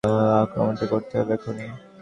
আক্রমণটা করতে হবে এক্ষুনি!